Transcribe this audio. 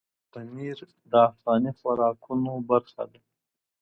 پنېر د افغاني خوراکونو برخه ده.